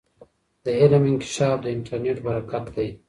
د علم انکشاف د انټرنیټ برکت دی.